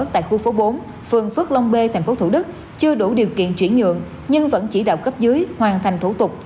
tại khu phố bốn phường phước long b tp thủ đức chưa đủ điều kiện chuyển nhượng nhưng vẫn chỉ đạo cấp dưới hoàn thành thủ tục